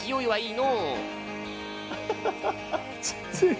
はい。